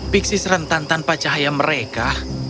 pixes rentan tanpa cahaya mereka